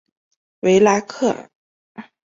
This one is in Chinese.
维拉克。